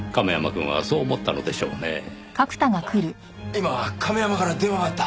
今亀山から電話があった。